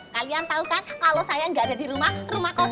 kalian tahu kan kalau saya nggak ada di rumah rumah kosong